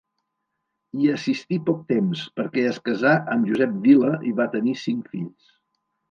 Hi assistí poc temps, perquè es casà amb Josep Vila i va tenir cinc fills.